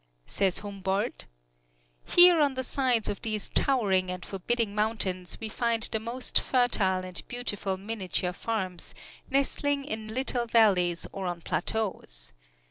Says Humboldt: "Here on the sides of these towering and forbidding mountains we find the most fertile and beautiful miniature farms, nestling in little valleys or on plateaus.